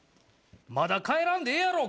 まだ帰らんでええやろ！